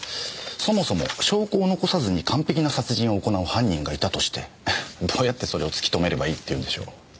そもそも証拠を残さずに完璧な殺人を行う犯人がいたとしてどうやってそれを突きとめればいいっていうんでしょう。